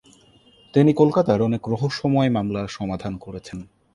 তিনি কলকাতার অনেক রহস্যময় মামলা সমাধান করেছেন।